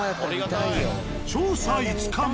調査５日目。